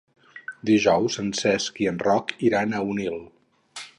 Dijous en Cesc i en Roc iran a Onil.